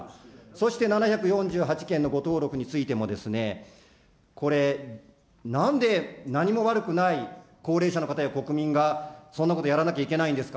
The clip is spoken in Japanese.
そして７４８件の誤登録についてもこれ、なんで何も悪くない高齢者の方や国民がそんなことやらなきゃいけないんですか。